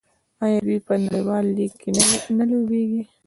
آیا دوی په نړیوال لیګ کې نه لوبېږي؟